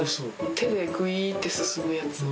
手でぐいーって進むやつ。